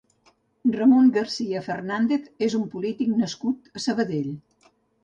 Ramón García Fernández és un polític nascut a Sabadell.